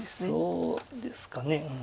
そうですかね。